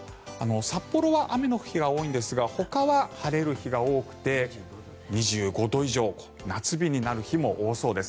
札幌は雨の日が多いんですがほかは晴れる日が多くて２５度以上夏日になる日も多そうです。